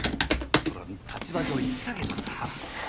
そりゃ立場上言ったけどさ。